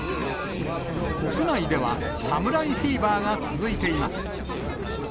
国内では侍フィーバーが続いています。